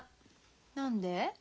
何で？